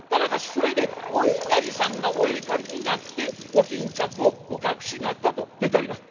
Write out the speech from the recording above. それでお稲荷さんがお怒りになってお巾着をお隠しになったと出ております」。